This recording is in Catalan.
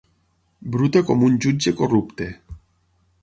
Bruta com un jutge corrupte.